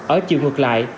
ở chiều ngược lại